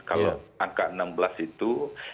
kalau angka enam belas itu